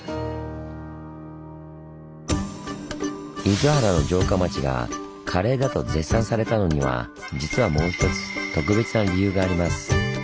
厳原の城下町が華麗だと絶賛されたのには実はもうひとつ特別な理由があります。